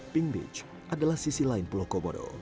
pink beach adalah sisi lain pulau kobodo